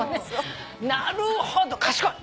なるほど賢い。